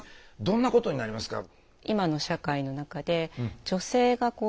どんなことになりますか？